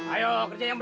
ayo kerja lagi